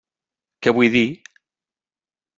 Què vull dir?